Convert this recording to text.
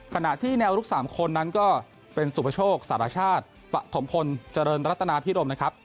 ขณะที่แนวลุก๓คนนั้นก็เป็นสุประโชคสารชาติปฐมพลเจริญรัตนาพิรมนะครับ